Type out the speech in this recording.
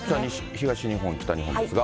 東日本、北日本ですが。